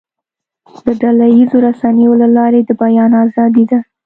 د ډله ییزو رسنیو له لارې د بیان آزادي ده.